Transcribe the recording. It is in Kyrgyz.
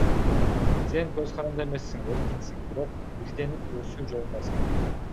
Сен көз каранды эмессиң, эркинсиң, бирок ирденип, өсүү жолундасың.